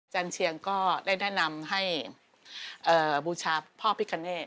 เชียงก็ได้แนะนำให้บูชาพ่อพิกเนต